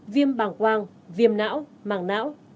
viêm bằng quang viêm não mảng não